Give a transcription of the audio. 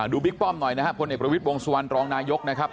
บิ๊กป้อมหน่อยนะครับพลเอกประวิทย์วงสุวรรณรองนายกนะครับ